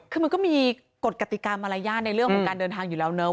คือมันก็มีกฎกติกามารยาทในเรื่องของการเดินทางอยู่แล้วเนาะ